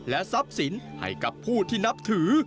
ทรัพย์สินให้กับผู้ที่นับถือ